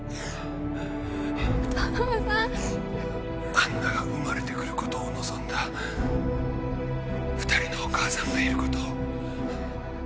アンナが生まれて来ることを望んだ２人のお母さんがいることを。